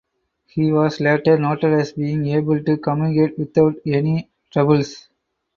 He was later noted as being able to communicate without any troubles.